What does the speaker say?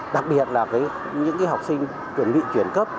đặc biệt là những học sinh chuẩn bị chuyển cấp